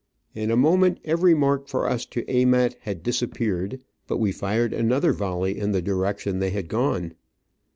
In a moment every mark for us to aim at had disappeared, but we fired another volley in the direc tion they had gone.